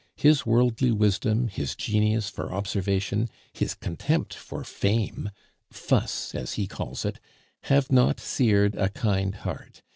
His worldly wisdom, his genius for observation, his contempt for fame ("fuss," as he calls it) have not seared a kind heart.